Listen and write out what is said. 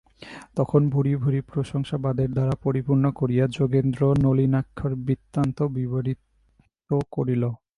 তখন ভূরি ভূরি প্রশংসাবাদের দ্বারা পরিপূর্ণ করিয়া যোগেন্দ্র নলিনাক্ষের বৃত্তান্ত বিবরিত করিল।